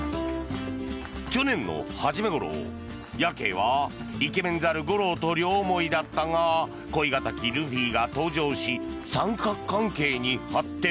去年の初めごろ、ヤケイはイケメン猿、ゴローと両思いだったが恋敵、ルフィが登場し三角関係に発展。